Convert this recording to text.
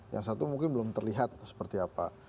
yang satu mungkin belum terlihat seperti apa